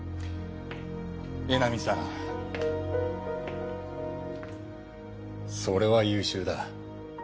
江波さんそれは優秀だ。